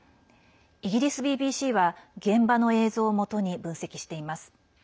イギリスＢＢＣは現場の映像をもとに分析しています。